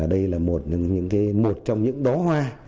đây là một trong những đó hoa